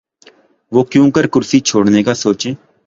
وہ کیونکر کرسی چھوڑنے کا سوچیں؟